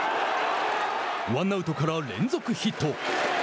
ワンアウトから連続ヒット。